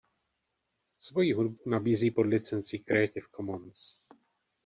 Svoji hudbu nabízí pod licencí Creative Commons.